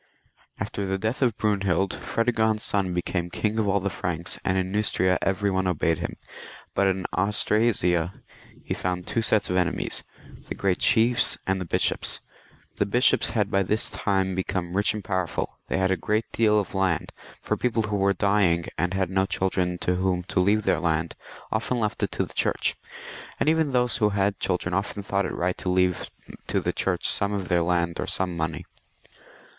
After the death of Brunehild, Fredegond's son became King of all the Franks, and in Neustria every one obeyed him ; but in Austrasia he found two sets of enemies, the great chiefs and the bishops. The bishops had by this time become rich and powerful ; they had a great deal of land, for people who were dying, and had no children to whom to leave their land, often left it to the Church, and 24 THE MEROVINGIAN KINGS. [CH. even those who had children often thought it right to leave to the Church some of their land or some money.